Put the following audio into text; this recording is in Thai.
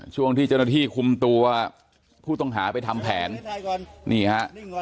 ช่วงที่เจ้าหน้าที่คุมตัวผู้ต้องหาไปทำแผนนี่ฮะ